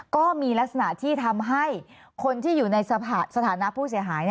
ก็มีลักษณะที่ทำให้คนที่อยู่ในสถานะผู้เสียหาย